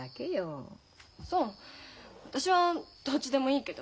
私はどっちでもいいけど。